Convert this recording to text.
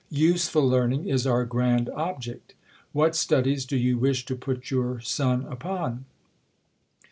Useful learning is our grand object. What studies do you wish to put your son upon